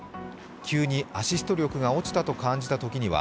急にアシスト力が落ちたと感じたときには